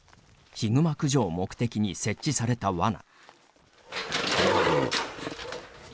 ヒグマ駆除を目的に設置された、わな。